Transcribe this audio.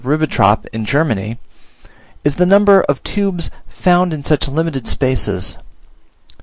Ribbentrop in Germany, is the number of tubes found within such limited spaces.